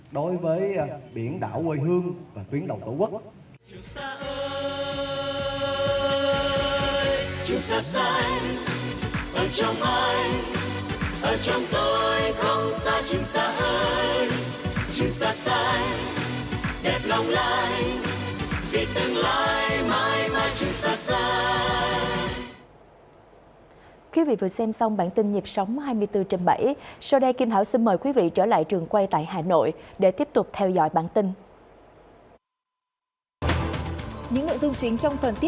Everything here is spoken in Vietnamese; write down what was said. đối với biển đảo quê hương và tuyến đầu tổ quốc